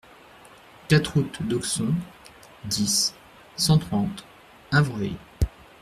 quatre route d'Auxon, dix, cent trente, Avreuil